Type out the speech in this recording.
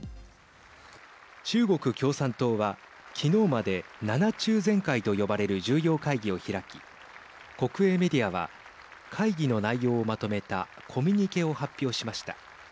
中国共産党は昨日まで７中全会と呼ばれる重要会議を開き、国営メディアは会議の内容をまとめたコミュニケを発表しました。